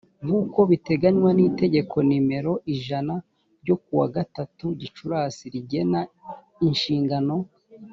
nkuko biteganywa n’itegeko nimero ijana ryo kuwa gatatu gicurasi rigena inshingano.